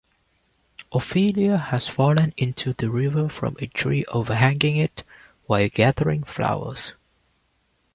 Ophelia has fallen into the river from a tree overhanging it, while gathering flowers.